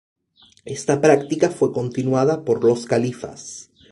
Esta práctica fue continuada por los califas.